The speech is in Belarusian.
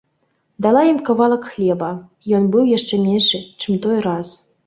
Дала ім кавалак хлеба, ён быў яшчэ меншы, чым той раз